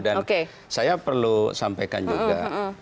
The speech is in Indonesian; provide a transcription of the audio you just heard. dan saya perlu sampaikan juga